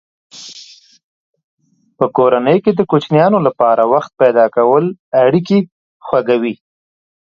په کورنۍ کې د کوچنیانو لپاره وخت پیدا کول اړیکې خوږوي.